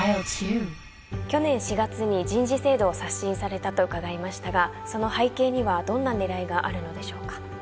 去年４月に人事制度を刷新されたと伺いましたがその背景にはどんな狙いがあるのでしょうか？